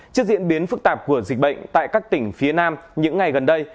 trước diễn biến phức tạp của dịch bệnh tại các tỉnh phía nam những ngày gần đây